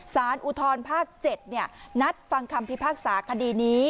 สารอุทธรภาค๗นัดฟังคำพิพากษาคดีนี้